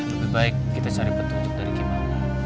lebih baik kita cari petunjuk dari kim aung